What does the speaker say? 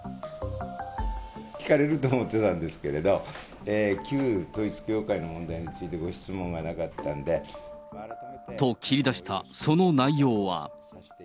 聞かれると思ってたんですけれど、旧統一教会の問題について、ご質問がなかったんで。と切り出した、その内容は。